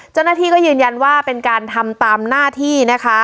เจ้าหน้าที่ก็ยืนยันว่าเป็นการทำตามหน้าที่นะคะ